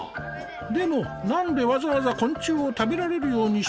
でも何でわざわざ昆虫を食べられるようにしてるんだろう？